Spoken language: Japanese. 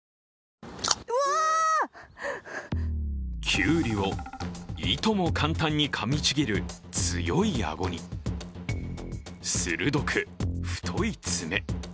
きゅうりをいとも簡単にかみちぎる強い顎に鋭く太い爪。